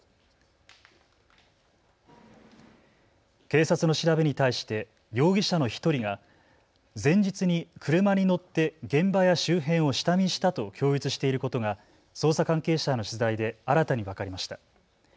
警察の調べに対して容疑者の１人が前日に車に乗って現場や周辺を下見したと供述していることが捜査関係者への取材で新たに分かりました。